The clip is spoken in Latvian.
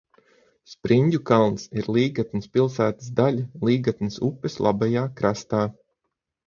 Spriņģukalns ir Līgatnes pilsētas daļa Līgatnes upes labajā krastā.